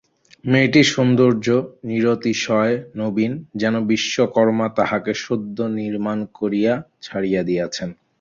মেয়েটির সৌন্দর্য নিরতিশয় নবীন, যেন বিশ্বকর্মা তাহাকে সদ্য নির্মাণ করিয়া ছাড়িয়া দিয়াছেন।